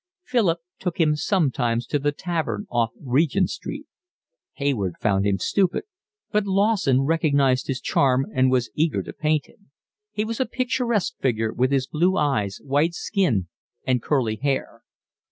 Philip took him sometimes to the tavern off Regent Street. Hayward found him stupid, but Lawson recognised his charm and was eager to paint him; he was a picturesque figure with his blue eyes, white skin, and curly hair.